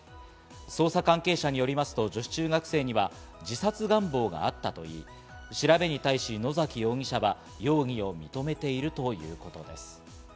捜査関係者によりますと、女子中学生には自殺願望があったといい、調べに対し、野崎容疑者は容疑を認めているということです。